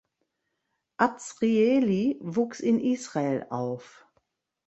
Azrieli wuchs in Israel auf.